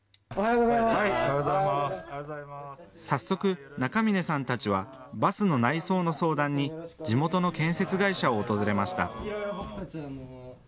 早速、中峰さんたちはバスの内装の相談に地元の建設会社を訪れました。